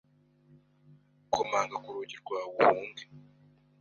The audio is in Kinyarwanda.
Komanga ku rugi rwawe uhunge